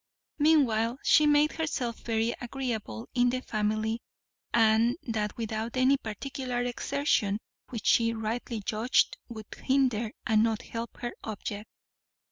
Meanwhile she made herself very agreeable in the family; and that without any particular exertion, which she rightly judged would hinder and not help her object.